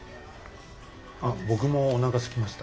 あっ僕もおなかすきました。